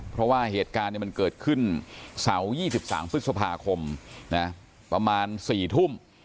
เพราะว่าเหตุการณ์มันเกิดขึ้นเสาร์๒๓พฤษภาคมประมาณ๔ทุ่ม